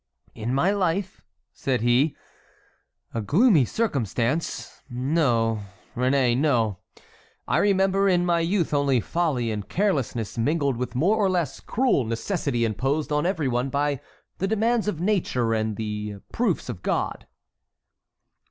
"In my life," said he, "a gloomy circumstance—no, Réné, no; I remember in my youth only folly and carelessness mingled with more or less cruel necessity imposed on every one by the demands of nature and the proofs of God."